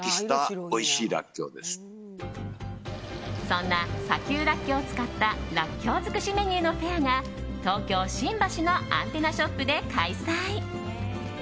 そんな砂丘らっきょうを使ったらっきょう尽くしメニューのフェアが東京・新橋のアンテナショップで開催。